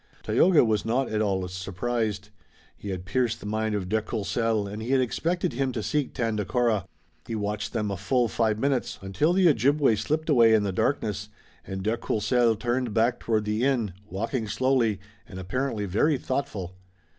Tayoga was not at all surprised. He had pierced the mind of de Courcelles and he had expected him to seek Tandakora. He watched them a full five minutes, until the Ojibway slipped away in the darkness, and de Courcelles turned back toward the inn, walking slowly, and apparently very thoughtful.